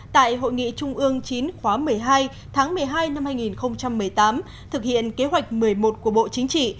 tại hội nghị trung ương chín khóa một mươi hai tháng một mươi hai năm hai nghìn một mươi tám thực hiện kế hoạch một mươi một của bộ chính trị